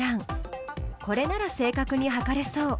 これなら正確に測れそう。